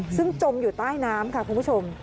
ซึ่งจมอยู่ใต้น้ำค่ะคุณผู้ชม